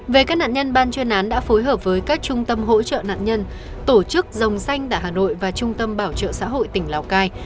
về các nạn nhân ban chuyên án đã phối hợp với các trung tâm hỗ trợ nạn nhân tổ chức dòng xanh tại hà nội và trung tâm bảo trợ xã hội tỉnh lào cai